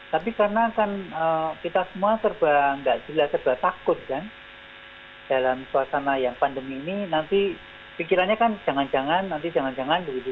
tapi karena kan kita semua serba nggak jelas serba takut kan dalam suasana yang pandemi ini nanti pikirannya kan jangan jangan nanti jangan jangan begitu